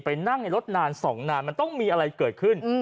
นั่งในรถนาน๒นานมันต้องมีอะไรเกิดขึ้น